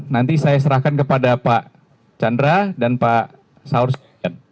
nanti saya serahkan kepada pak chandra dan pak saur sekalian